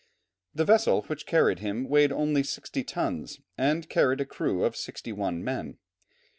The vessel which carried him weighed only sixty tons and carried a crew of sixty one men.